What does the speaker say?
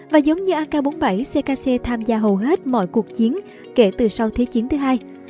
và giống như ak bốn mươi bảy ckc tham gia hầu hết mọi cuộc chiến kể từ sau thế chiến thứ hai